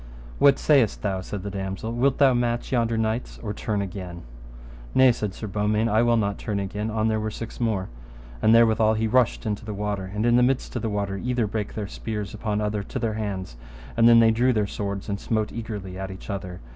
What sayest thou, said the damosel, wilt thou match yonder knights or turn again? Nay, said Sir Beaumains, I will not turn again an they were six more. And therewithal he rushed into the water, and in midst of the water either brake their spears upon other to their hands, and then they drew their swords, and smote eagerly at other.